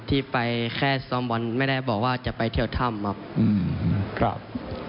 ที่ไปแค่ซ้อมบอลไม่ได้บอกว่าจะไปเที่ยวถ้ำครับ